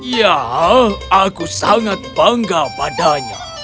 ya aku sangat bangga padanya